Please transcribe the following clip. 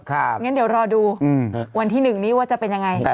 ครับอย่างนั้นเดี๋ยวรอดูวันที่๑นี้ว่าจะเป็นอย่างไร